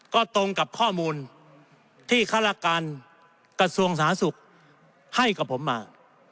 ก็ตรงกับข้อมูลที่ฆาตการกระทรวงสาธารณสุขให้กับผมมา